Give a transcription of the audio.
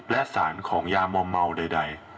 และสารของยามอมเมาใด